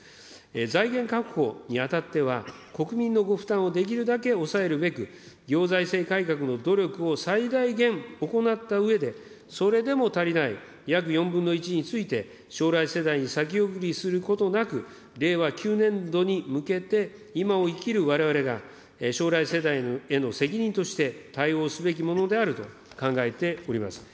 財源確保にあたっては、国民のご負担をできるだけ抑えるべく、行財政改革の努力を最大限行ったうえで、それでも足りない約４分の１について、将来世代に先送りすることなく、令和９年度に向けて、今を生きるわれわれが、将来世代への責任として、対応すべきものであると考えております。